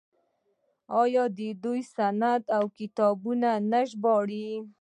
آیا دوی اسناد او کتابونه نه ژباړي؟